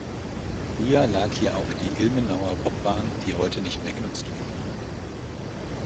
Früher lag hier auch die Ilmenauer Bobbahn, die heute nicht mehr genutzt wird.